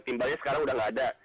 timbalnya sekarang sudah tidak ada